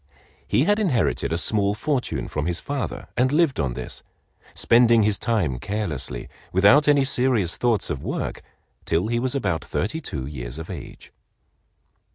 He had inherited a small fortune from his father and lived on this, spending his time carelessly, without any serious thoughts of work, till he was about thirty two years of age.